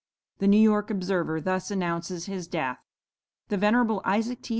'The New York Observer' thus announces his death: "'The venerable Isaac T.